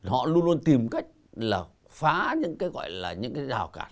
họ luôn luôn tìm cách là phá những cái gọi là những cái rào cản